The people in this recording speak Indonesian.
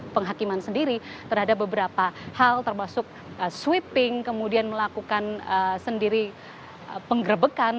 penghakiman sendiri terhadap beberapa hal termasuk sweeping kemudian melakukan sendiri penggerbekan